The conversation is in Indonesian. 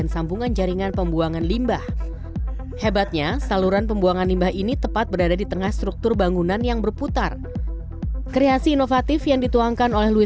saya berpikir saya berpikir